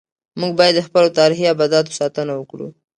موږ باید د خپلو تاریخي ابداتو ساتنه وکړو.